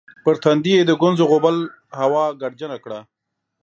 پر تندي یې د ګونځو غوبل هوا ګردجنه کړه